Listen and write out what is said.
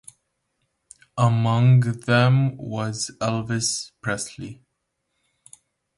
Among them was Elvis Presley.